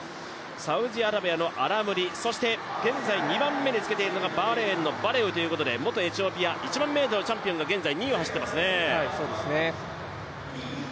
サウジアラビアのアラムリそして現在２番目に着けているのがバーレーンのバレウということで元エチオピア、１００００ｍのチャンピオンが現在２位を走っていますね。